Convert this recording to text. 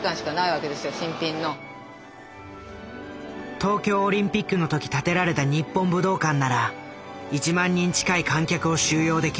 東京オリンピックの時建てられた日本武道館なら１万人近い観客を収容できる。